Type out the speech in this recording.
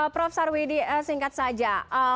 prof sarwidi singkat saja